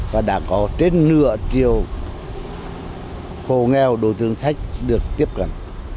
và đã có trên nửa triệu hồ nghèo đối tượng sách được tiếp cận